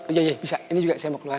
oh iya bisa ini juga saya mau keluar